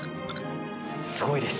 すごいです。